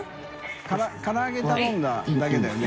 から揚げ頼んだだけだよね？